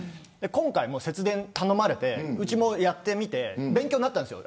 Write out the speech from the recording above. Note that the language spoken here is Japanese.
今回も節電、頼まれてうちもやってみて勉強になったんですよ。